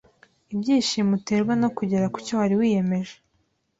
ibyishimo uterwa no kugera kucyo wari wiyemeje.